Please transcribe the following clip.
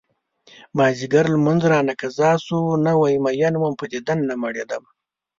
مازديګر لمونځ رانه قضا شو نوی مين وم په دیدن نه مړيدمه